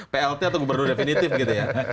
plt atau gubernur definitif gitu ya